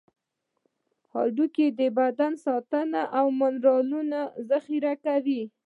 هډوکي بدن ساتي او منرالونه ذخیره کوي.